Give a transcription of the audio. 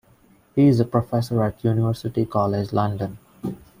He is a professor at University College London.